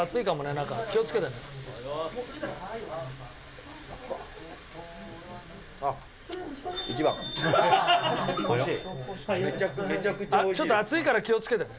長嶋：ちょっと熱いから気を付けてね。